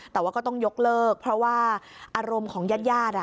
แต่ว่าก็ต้องยกเลิกเพราะว่าอารมณ์ของญาติ